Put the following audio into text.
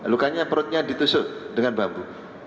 lukanya perutnya ditusuk dengan bambu